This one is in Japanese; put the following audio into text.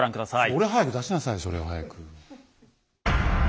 それを早く出しなさいそれを早く。